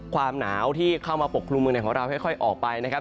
ความหนาวที่เข้ามาปกครุมเมืองไหนของเราค่อยออกไปนะครับ